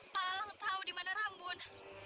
pak alang tahu di mana rambun